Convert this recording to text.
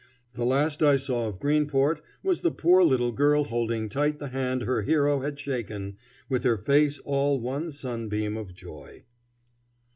The last I saw of Greenport was the poor little girl holding tight the hand her hero had shaken, with her face all one sunbeam of joy.